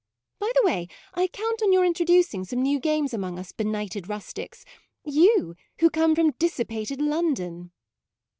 By the way, I count on your introducing some new games among us benighted rustics; you who come from dissi pated London."